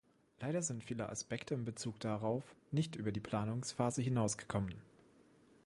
Leider sind viele Aspekte in Bezug darauf nicht über die Planungsphase hinausgekommen.